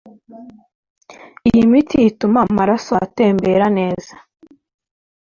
Iyi miti ituma amaraso atembera neza